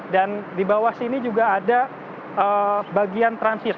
dan di bawah sini juga ada bagian transit